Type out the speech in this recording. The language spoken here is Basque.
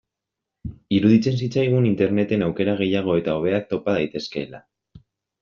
Iruditzen zitzaigun Interneten aukera gehiago eta hobeak topa daitezkeela.